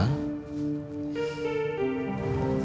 untuk dijaga dan dilindungi